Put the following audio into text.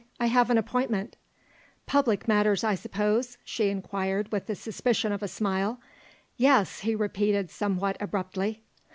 "I have an appointment." "Public matters I suppose?" she inquired with the suspicion of a smile. "Yes," he repeated somewhat abruptly.